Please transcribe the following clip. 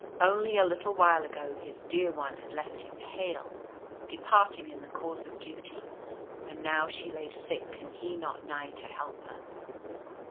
Only a little while ago his Dear One had left him hale, departing in the cause of duty ; and now she lay sick and he not nigh to help her.